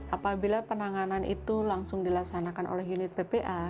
apabila penanganan itu langsung dilaksanakan oleh unit ppa